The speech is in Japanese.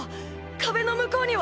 壁の向こうには。